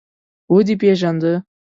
_ودې پېژانده؟